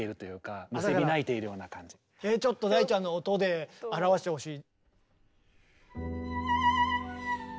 ちょっと大ちゃんの音で表してほしい。